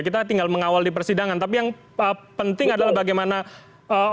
kita tinggal mengawal di persidangan tapi yang penting adalah bagaimana obstruction of justice dan juga perintahnya